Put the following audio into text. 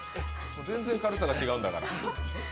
全然軽さが違うんだから。